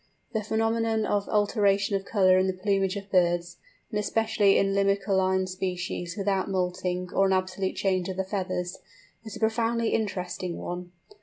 The phenomenon of the alteration of colour in the plumage of birds, and especially in Limicoline species, without moulting or an absolute change of the feathers, is a profoundly interesting one.